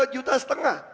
dua juta setengah